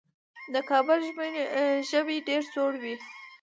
د کابل ژمی ډېر سوړ وي.